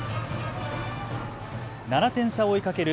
７点差を追いかける